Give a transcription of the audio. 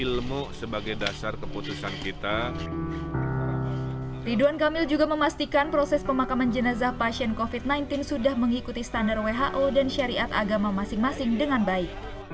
ridwan kamil juga memastikan proses pemakaman jenazah pasien covid sembilan belas sudah mengikuti standar who dan syariat agama masing masing dengan baik